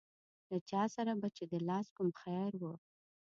له چا سره به چې د لاس کوم خیر و.